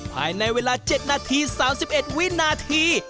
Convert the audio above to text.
ภายในเวลา๗นาที๓๑วินาที